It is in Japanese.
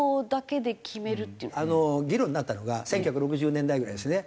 議論になったのが１９６０年代ぐらいですね。